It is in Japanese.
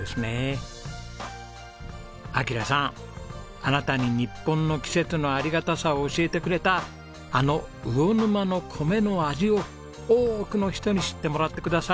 暁良さんあなたに日本の季節のありがたさを教えてくれたあの魚沼の米の味を多くの人に知ってもらってください。